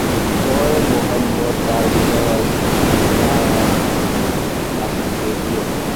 পরে মুহাম্মদ তার বিধবা স্ত্রী রামলাহকে বিয়ে করেন।